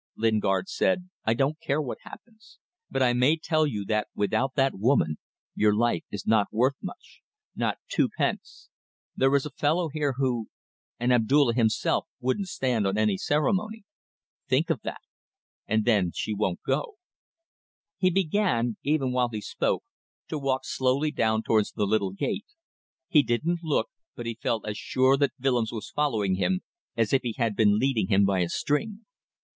Lingard said "I don't care what happens, but I may tell you that without that woman your life is not worth much not twopence. There is a fellow here who ... and Abdulla himself wouldn't stand on any ceremony. Think of that! And then she won't go." He began, even while he spoke, to walk slowly down towards the little gate. He didn't look, but he felt as sure that Willems was following him as if he had been leading him by a string.